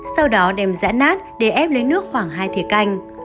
sau đó đem dã nát để ép lên nước khoảng hai thịa canh